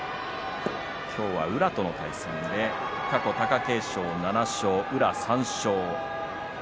今日は宇良との対戦で過去は貴景勝７勝宇良３勝。